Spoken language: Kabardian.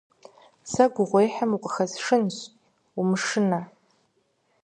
Сэ гугъуехьым укъыхэсшынущ, умышынэ.